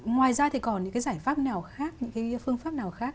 ngoài ra thì còn những cái giải pháp nào khác những cái phương pháp nào khác